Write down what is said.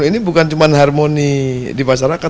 ini bukan cuma harmoni di masyarakat